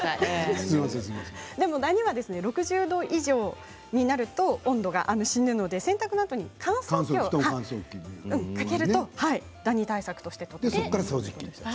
ダニは６０度以上になると死ぬので洗濯のあとに乾燥機にかけるとダニ対策として。